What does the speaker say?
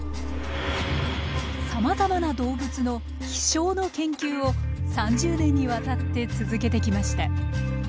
さまざまな動物の飛しょうの研究を３０年にわたって続けてきました。